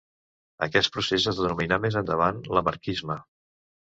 Aquest procés es denominà més endavant lamarckisme.